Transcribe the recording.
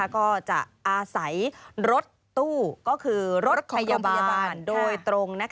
ก็จะอาศัยรถตู้ก็คือรถพยาบาลโดยตรง